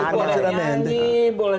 boleh nyanyi boleh denger